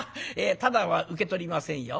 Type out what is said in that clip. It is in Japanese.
タダは受け取りませんよ。